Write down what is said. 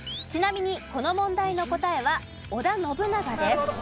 ちなみにこの問題の答えは織田信長です。